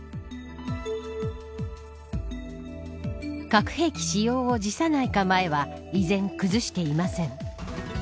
核兵器使用を辞さない構えは依然、崩していません。